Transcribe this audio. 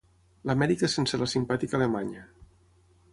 L'Amèrica sense la simpàtica alemanya.